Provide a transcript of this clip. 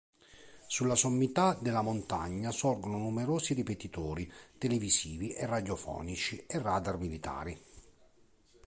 Sulla sommità della montagna sorgono numerosi ripetitori televisivi e radiofonici e radar militari.